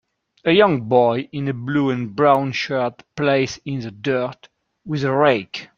A young boy in a blue and brown shirt plays in the dirt with a rake.